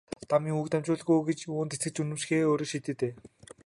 Дамын үг дамжигтай гэж юунд итгэж үнэмшихээ өөрөө шийд дээ.